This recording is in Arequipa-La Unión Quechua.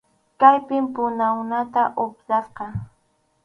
Kaypim puna unuta upyasqa.